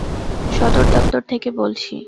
সদর দপ্তর থেকে বলছি।